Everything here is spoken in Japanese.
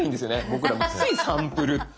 僕らもついサンプルって。